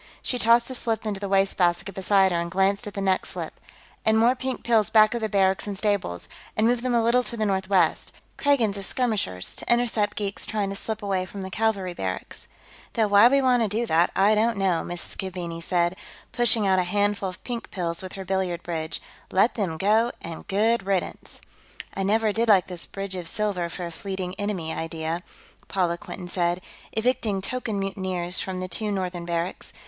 She tossed a slip into the wastebasket beside her and glanced at the next slip. "And more pink pills back of the barracks and stables, and move them a little to the northwest; Kragans as skirmishers, to intercept geeks trying to slip away from the cavalry barracks." "Though why we want to do that, I don't know," Mrs. Keaveney said, pushing out a handful of pink pills with her billiard bridge. "Let them go, and good riddance!" "I never did like this bridge of silver for a fleeing enemy idea," Paula Quinton said, evicting token mutineers from the two northern barracks.